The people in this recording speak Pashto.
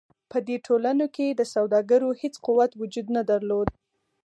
په دې ټولنو کې د سوداګرو هېڅ قوت وجود نه درلود.